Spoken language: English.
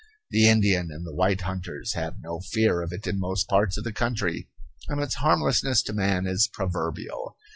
The Indian and white hunters have no fear of it in most parts of the country, and its harmlessness to man is proverbial.